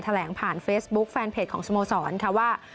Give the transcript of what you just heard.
แหลงผ่านเฟซบุ๊คแฟนเพจของสโมสรค่ะว่า